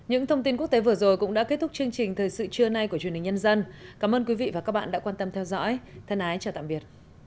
hãy đăng ký kênh để ủng hộ kênh mình nhé